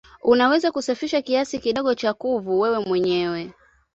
Unaweza kusafisha kiasi kidogo cha kuvu wewe mwenyewe.